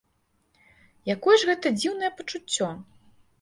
Якое ж гэта дзіўнае пачуццё!